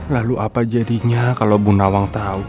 lalu apa jadinya kalau bu nawang tahu